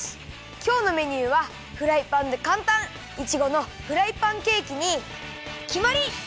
きょうのメニューはフライパンでかんたんいちごのフライパンケーキにきまり！